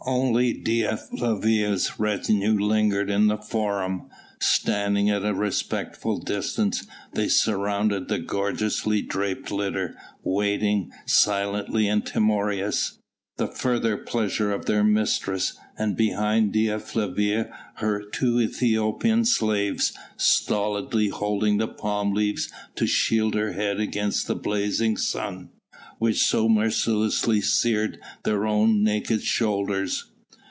Only Dea Flavia's retinue lingered in the Forum. Standing at a respectful distance they surrounded the gorgeously draped litter, waiting, silently and timorous, the further pleasure of their mistress; and behind Dea Flavia her two Ethiopian slaves, stolidly holding the palm leaves to shield her head against the blazing sun which so mercilessly seared their own naked shoulders.